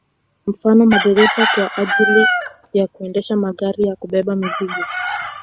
Mfano madereva kwa ajili ya kuendesha magari ya kubeba mizigo